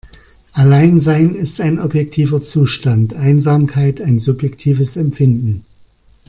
Alleinsein ist ein objektiver Zustand, Einsamkeit ein subjektives Empfinden.